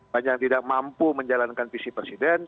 banyak yang tidak mampu menjalankan visi presiden